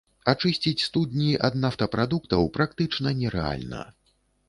Ачысціць студні ад нафтапрадуктаў практычна нерэальна.